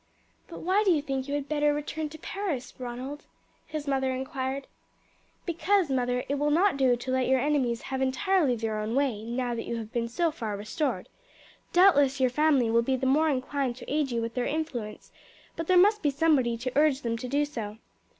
"But why do you think you had better return to Paris, Ronald?" his mother inquired. "Because, mother, it will not do to let your enemies have entirely their own way now that you have been so far restored. Doubtless your family will be the more inclined to aid you with their influence, but there must be somebody to urge them to do so."